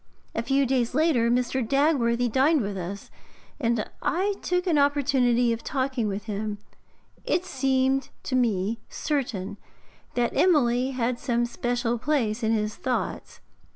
A few days later Mr. Dagworthy dined with us, and I took an opportunity of talking with him; it seemed to me certain that Emily had some special place in his thoughts.